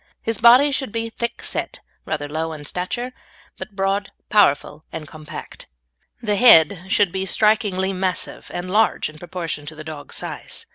His body should be thickset, rather low in stature, but broad, powerful, and compact. The head should be strikingly massive and large in proportion to the dog's size.